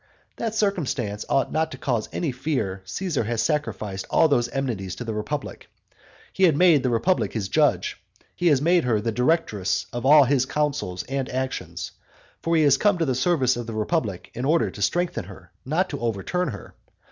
That circumstance ought not to cause any fear Caesar has sacrificed all those enmities to the republic; he had made the republic his judge; he has made her the directress of all his counsels and actions. For he is come to the service of the republic in order to strengthen her, not to overturn her.